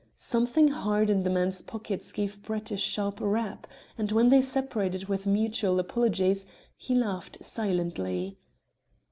Something hard in the man's pockets gave Brett a sharp rap, and when they separated with mutual apologies, he laughed silently.